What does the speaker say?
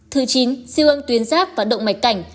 thứ chín siêu âm tuyến giáp và động mạch cảnh